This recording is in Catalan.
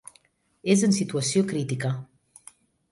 És en situació crítica.